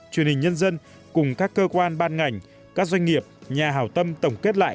truyền hình nhân dân cùng các cơ quan ban ngành các doanh nghiệp nhà hảo tâm tổng kết lại